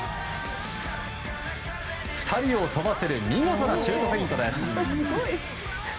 ２人を跳ばせる見事なシュートフェイントです。